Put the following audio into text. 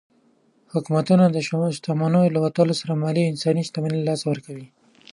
حکومتونه د شتمنو له وتلو سره مالي او انساني شتمني له لاسه ورکوي.